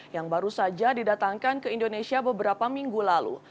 yang baru saja didatangkan ke indonesia beberapa minggu lalu